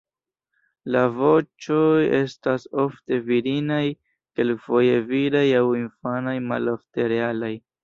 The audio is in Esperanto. La voĉoj estas ofte virinaj, kelkfoje viraj aŭ infanaj, malofte realaj.